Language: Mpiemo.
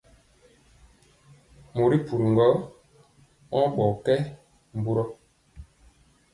Mori puri gɔ mɔɔ ɓɔ nkye mburɔ.